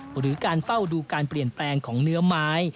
หรือการเฝ้าดูการเปลี่ยนแปลงของเนื้อไม้